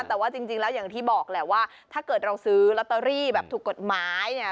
แต่ว่าจริงแล้วอย่างที่บอกแหละว่าถ้าเกิดเราซื้อลอตเตอรี่แบบถูกกฎหมายเนี่ย